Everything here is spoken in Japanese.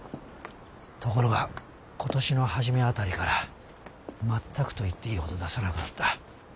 ところが今年の初め辺りから全くと言っていいほど出さなくなった。